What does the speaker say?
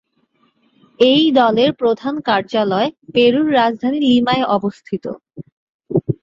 এই দলের প্রধান কার্যালয় পেরুর রাজধানী লিমায় অবস্থিত।